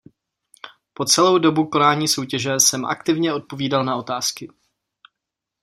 Po celou dobu konání soutěže jsem aktivně odpovídal na otázky.